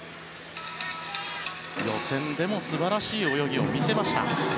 予選でも素晴らしい泳ぎを見せました。